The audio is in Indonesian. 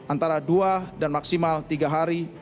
antara dua dan maksimal tiga hari